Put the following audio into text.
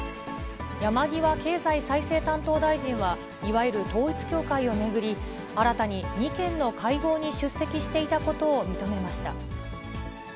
山際経済再生担当大臣は、いわゆる統一教会を巡り、新たに２件の会合に出席していたことを認めました。